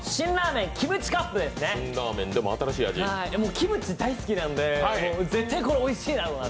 キムチ大好きなんで絶対これおいしいだろうなと。